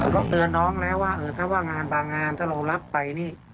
ก็เตือนน้องแล้วว่าถ้าว่างานบางงานถ้าเรารับไปนี่